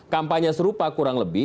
kampanye serupa kurang lebih